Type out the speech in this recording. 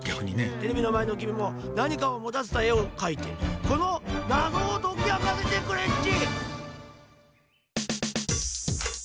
テレビのまえのきみもなにかをもたせたえをかいてこのなぞをときあかせてくれっち！